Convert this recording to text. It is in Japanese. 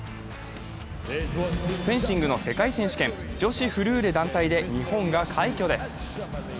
フェンシングの世界選手権、女子フルーレ団体で日本が快挙です。